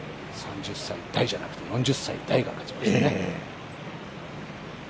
３０歳代じゃなくて、４０歳代が勝ちましたね。